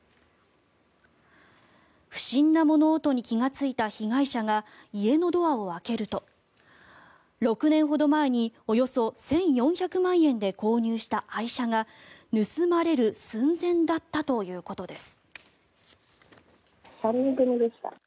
不審な物音に気がついた被害者が家のドアを開けると６年ほど前におよそ１４００万円で購入した愛車が盗まれる寸前だったということです。